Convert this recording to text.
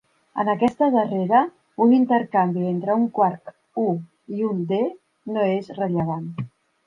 En aquesta darrera, un intercanvi entre un quark u i un d no és rellevant.